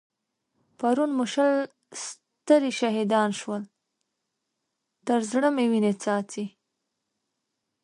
پرون مو شل سترې شهيدان شول؛ تر زړه مې وينې څاڅي.